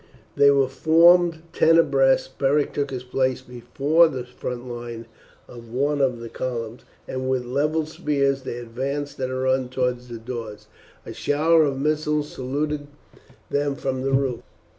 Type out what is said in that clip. They were formed ten abreast. Beric took his place before the front line of one of the columns, and with levelled spears they advanced at a run towards the doors. A shower of missiles saluted them from the roof.